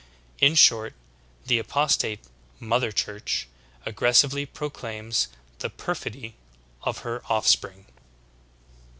In short, the apostate "Mother Church" ag gressively proclaims the perfidy of her offspring.